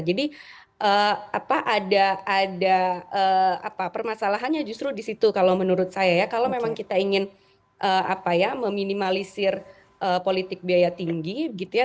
jadi apa ada permasalahannya justru disitu kalau menurut saya ya kalau memang kita ingin apa ya meminimalisir politik biaya tinggi gitu ya